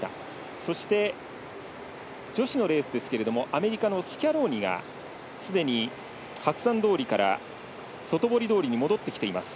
そして、女子のレースはアメリカのスキャローニがすでに白山通りから外堀通りに戻ってきています。